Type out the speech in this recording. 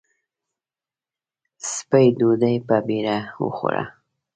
سپۍ ډوډۍ په بېړه وخوړه.